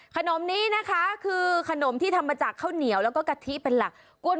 ขนมนี้นะคะคือขนมที่ทำมาจากข้าวเหนียวแล้วก็กะทิเป็นหลัก